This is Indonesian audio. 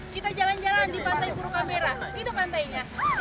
kita jalan jalan di pantai buru kambera itu pantainya